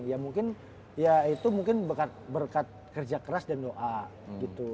ya mungkin ya itu mungkin berkat kerja keras dan doa gitu